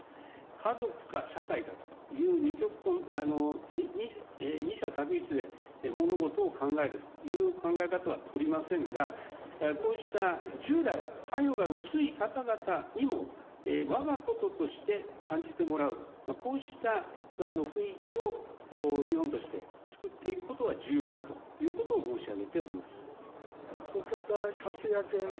家族か社会かという二者択一で物事を考えるという考え方はとりませんが、こうした従来、関与が薄い方々にも、わが事として感じてもらう、こうした雰囲気を日本として作っていくことが重要だということを岡田克也君。